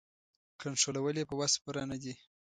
کنټرولول یې په وس پوره نه دي.